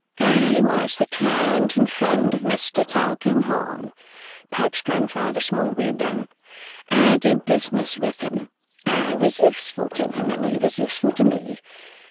"I was the client and friend of Mr. Tulkinghorn," pipes Grandfather Smallweed then; "I did business with him. I was useful to him, and he was useful to me.